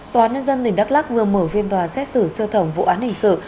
tòa án nhân dân tỉnh đắk lắc vừa mở phiên tòa xét xử sơ thẩm vụ án hình sự